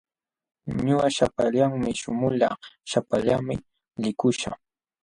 Ñuqa shapallaami shamulqaa, shapallaami likuśhaq.